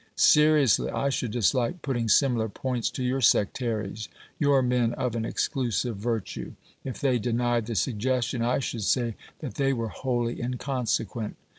Seriously, I should dislike putting similar points to your sectaries, your men of an exclusive virtue; if they denied the suggestion, I 172 OBERMANN should say that they were wholly inconsequent.